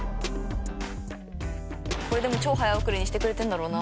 これでも超早送りにしてくれてるんだろうな。